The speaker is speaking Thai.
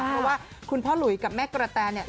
เพราะว่าคุณพ่อหลุยกับแม่กระแตเนี่ย